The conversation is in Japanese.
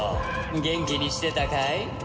元気にしてたかい？